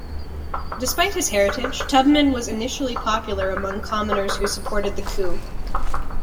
Despite his heritage, Tubman was initially popular among commoners who supported the coup.